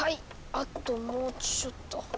あともうちょっと。